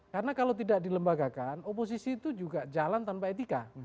karena kalau tidak dilembagakan oposisi itu juga jalan tanpa etika